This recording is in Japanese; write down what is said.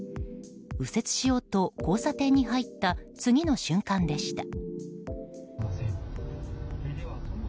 右折しようと交差点に入った次の瞬間でした。